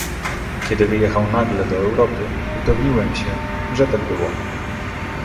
"Kiedy wyjechał nagle do Europy, upewniłem się, że tak było."